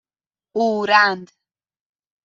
اورند